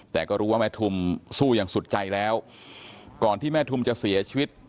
แต่ก็รู้ว่าแม่ทุมสู้อย่างสุดใจแล้วก่อนที่แม่ทุมจะเสียชีวิต